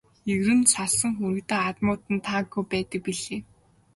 Ер нь салсан хүргэндээ хадмууд нь таагүй байдаг билээ.